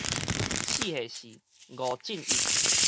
四下四，五進一